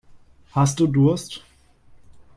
Hast du Durst?